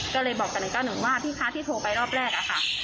ก็เลยบอกกับ๑๙๑ว่าพี่คะที่โทรไปรอบแรกอะค่ะ